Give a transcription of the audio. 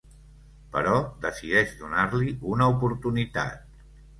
Però decideix donar-li una oportunitat.